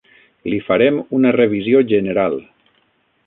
Li farem una revisió general.